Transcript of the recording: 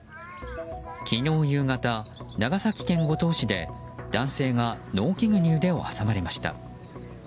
昨日夕方、長崎県五島市で男性が農機具に腕を挟まれました。